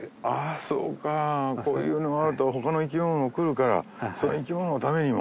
そうかこういうのあると他の生き物も来るからその生き物のためにも。